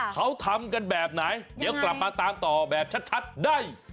เขาทำกันแบบไหนเดี๋ยวกลับมาตามต่อแบบชัดได้